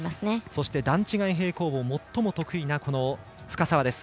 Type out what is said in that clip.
そして、段違い平行棒もっとも得意な深沢です。